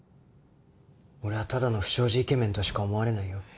俺はただの不祥事イケメンとしか思われないよ。